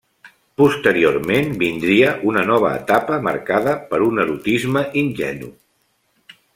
Posteriorment vindria una nova etapa marcada per un erotisme ingenu.